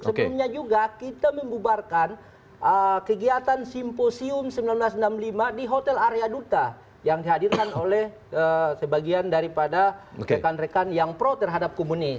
sebelumnya juga kita membubarkan kegiatan simposium seribu sembilan ratus enam puluh lima di hotel arya duta yang dihadirkan oleh sebagian daripada rekan rekan yang pro terhadap komunis